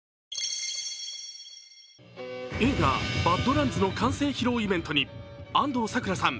映画「ＢＡＤＬＡＮＤＳバッド・ランズ」の完成披露イベントに安藤サクラさん